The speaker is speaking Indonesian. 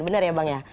bener ya bang ya